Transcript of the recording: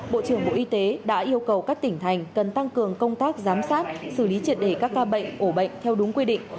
bộ trưởng bộ y tế đã yêu cầu các tỉnh thành cần tăng cường công tác giám sát xử lý triệt để các ca bệnh ổ bệnh theo đúng quy định